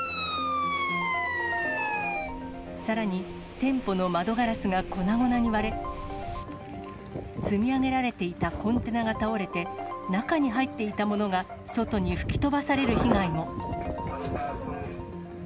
さらに、店舗の窓ガラスが粉々に割れ、積み上げられていたコンテナが倒れて、中に入っていたものが外に吹き飛ばされる被害も。